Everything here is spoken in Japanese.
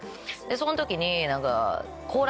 そん時に。